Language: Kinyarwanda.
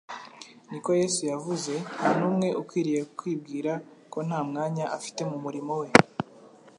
Niko Yesu yavuze; nta n'umwe ukwiriye kwibwira ko nta mwanya afite mu murimo we.